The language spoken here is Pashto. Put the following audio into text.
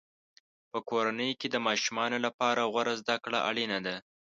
په کورنۍ کې د ماشومانو لپاره غوره زده کړه اړینه ده.